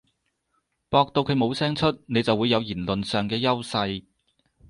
駁到佢冇聲出，你就會有言論上嘅優勢